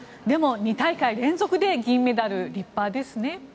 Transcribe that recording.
でも、２大会連続で銀メダル立派ですね。